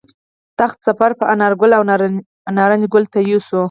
تخت سفر به انارګل او نارنج ګل ته یوسو